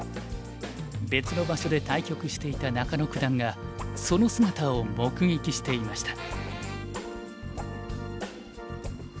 別の場所で対局していた中野九段がその姿を目撃していました。